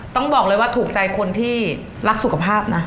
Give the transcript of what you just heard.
ต้องบอกเลยว่าถูกใจคนที่รักสุขภาพนะ